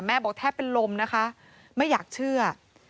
บอกแทบเป็นลมนะคะไม่อยากเชื่อ